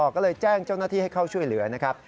ก็เลยแจ้งเจ้าหน้าที่ให้เข้าช่วยเหลือนะครับ